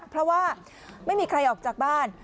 เพราะว่าไม่มีใครออกจากบ้าน